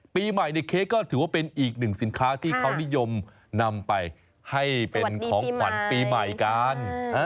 ปีใหม่ในเค้กก็ถือว่าเป็นอีกหนึ่งสินค้าที่เขานิยมนำไปให้เป็นของขวัญปีใหม่กัน